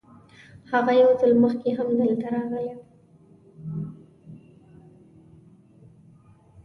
هغه یو ځل مخکې هم دلته راغلی و.